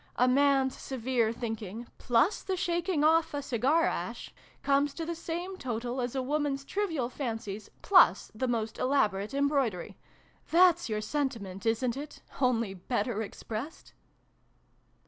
A Man's severe thinking, plus the shaking off a cigar ash, comes to the same total as a Woman's trivial fancies, plus the most elaborate embroidery. That's your sentiment, isn't it, only better expressed